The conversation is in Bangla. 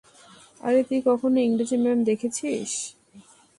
আরে তুই কখনও ইংরেজি ম্যাম দেখেছিস?